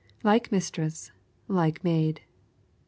Like mistress, like maid.